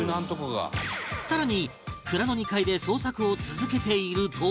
更に蔵の２階で捜索を続けていると